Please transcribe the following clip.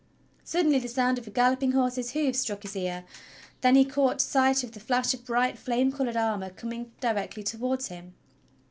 Suddenly the sound of a galloping horse's hoofs struck his ear, then he caught sight of the flash of bright, flame colored armor com ing directly towards him.